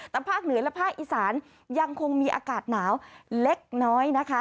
แต่ภาคเหนือและภาคอีสานยังคงมีอากาศหนาวเล็กน้อยนะคะ